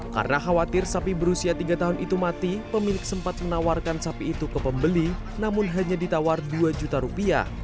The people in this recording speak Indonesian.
karena khawatir sapi berusia tiga tahun itu mati pemilik sempat menawarkan sapi itu ke pembeli namun hanya ditawar dua juta rupiah